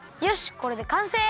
これでかんせい！